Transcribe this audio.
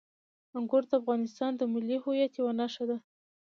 انګور د افغانستان د ملي هویت یوه نښه ده.